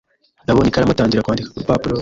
Yabonye ikaramu atangira kwandika ku rupapuro